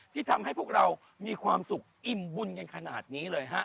ที่ทำให้พวกเรามีความสุขอิ่มบุญกันขนาดนี้เลยฮะ